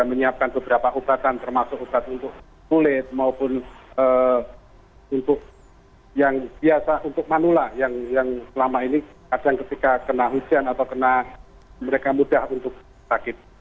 menyiapkan beberapa obatan termasuk obat untuk kulit maupun untuk yang biasa untuk manula yang selama ini kadang ketika kena hujan atau kena mereka mudah untuk sakit